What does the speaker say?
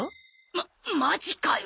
ママジかよ。